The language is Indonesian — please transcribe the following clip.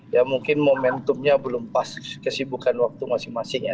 ya mungkin momentumnya belum pas kesibukan waktu masing masing ya